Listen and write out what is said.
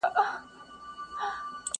تل له نوي کفن کښه څخه ژاړي!.